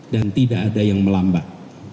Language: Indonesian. dan tidak ada yang melambat